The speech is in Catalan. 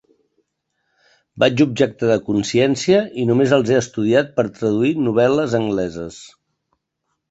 Vaig objectar de consciència i només els he estudiat per traduir novel·les angleses.